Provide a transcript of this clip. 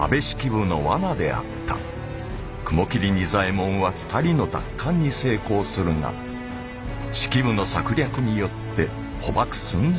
雲霧仁左衛門は２人の奪還に成功するが式部の策略によって捕縛寸前まで追い詰められる。